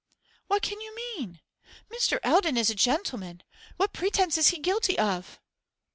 'What can you mean? Mr. Eldon is a gentleman. What pretence is he guilty of?